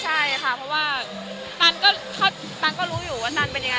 ใช่ค่ะเพราะว่าตันก็รู้อยู่ว่าตันเป็นยังไง